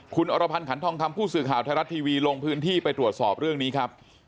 คุณอรพันธ์ขันทองคำผู้สื่อข่าวไทยรัฐทีวีลงพื้นที่ไปตรวจสอบเรื่องนี้ครับ